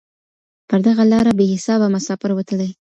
پر دغه لاره بې حسابه مساپر وتلي